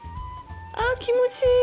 あっ気持ちいい！